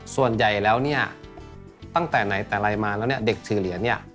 ส่วนใหญ่แล้วตั้งแต่ในแต่ลัยมาแล้วนะเด็กถือเหรียญนี่